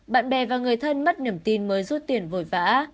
bạn bè và người thân mất niềm tin mới rút tiền vội vã